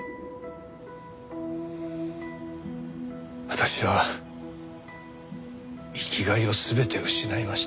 私は生きがいを全て失いました。